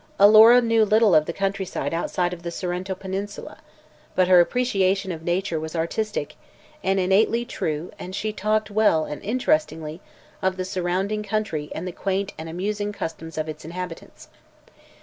Alora knew little of the country outside of the Sorrento peninsula, but her appreciation of nature was artistic and innately true and she talked well and interestingly of the surrounding country and the quaint and amusing customs of its inhabitants.